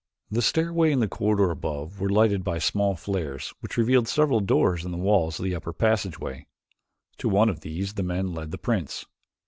The stairway and the corridor above were lighted by small flares which revealed several doors in the walls of the upper passageway. To one of these the men led the prince.